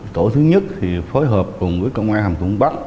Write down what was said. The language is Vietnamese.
tổ thứ nhất phối hợp cùng công an hàm thủng bắc